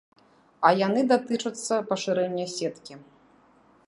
А яны датычацца пашырэння сеткі.